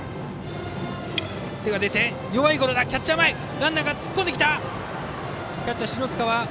ランナー、突っ込んできた。